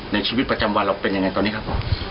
ในชีวิตประจำวันเราเป็นยังไงตอนนี้ครับผม